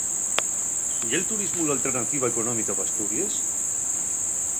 ¿Ye'l turismu l'alternativa económica p'Asturies?